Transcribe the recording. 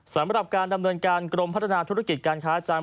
สำหรับการดำเนินการกรมพัฒนาธุรกิจการค้าจำ